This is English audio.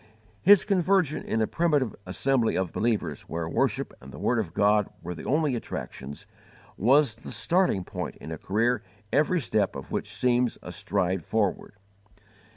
His conversion in a primitive assembly of believers where worship and the word of God were the only attractions, was the starting point in a career every step of which seems a stride forward.